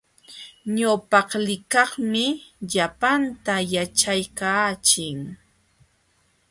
Ñawpaqlikaqmi llapanta yaćhaykaachin.